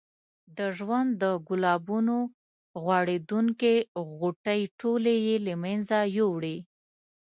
د ژوند د ګلابونو غوړېدونکې غوټۍ ټولې یې له منځه یوړې.